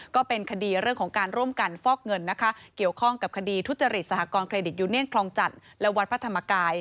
ก็เป็นคดีเรื่องของการร่วมกันฟอกเงินนะคะเกี่ยวข้องกับคดีทุจริตสหกรณเครดิตยูเนียนคลองจันทร์และวัดพระธรรมกาย